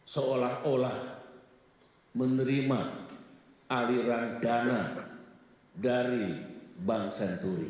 seolah olah menerima aliran dana dari bank senturi